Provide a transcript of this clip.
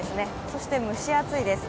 そして蒸し暑いです。